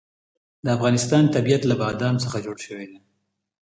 د افغانستان طبیعت له بادام څخه جوړ شوی دی.